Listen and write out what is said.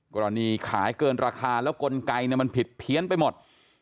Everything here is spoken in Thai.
ขายเกินราคาแล้วกลไกมันผิดเพี้ยนไปหมด